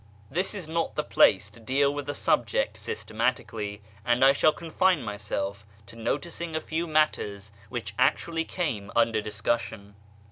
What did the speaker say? This is not the place to deal with the subject systematically, and I shall confine myself to noticing a few matters which actually came under discussion.